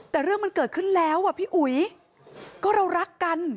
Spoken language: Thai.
แต่เรื่องมันเกิดขึ้นแล้วอ่ะพี่อุ๋ยก็เรารักกัน